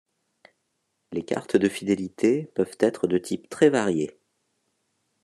Les cartes de fidélité peuvent être de types très variés.